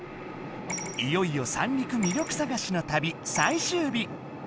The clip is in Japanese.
いよいよ三陸魅力さがしの旅最終日。